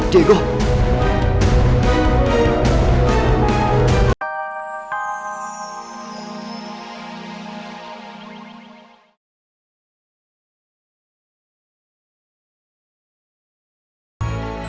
tidak ada langit